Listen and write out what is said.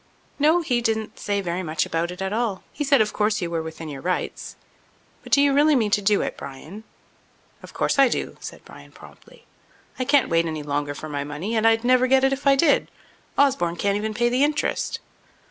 "No; he didn't say very much about it at all. He said of course you were within your rights. But do you really mean to do it, Bryan?" "Of course I do," said Bryan promptly. "I can't wait any longer for my money, and I'd never get it if I did. Osborne can't even pay the interest."